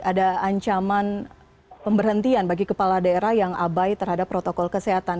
ada ancaman pemberhentian bagi kepala daerah yang abai terhadap protokol kesehatan